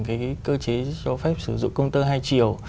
cái cơ chế cho phép sử dụng công tơ hai chiều